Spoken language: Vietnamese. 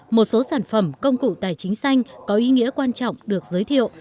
một số sản phẩm công cụ tài chính xanh có ý nghĩa quan trọng được giới thiệu